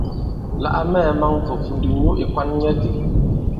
La a mɛɛ̄ man fùfu ndi nyu ì kwan nyɛ itē.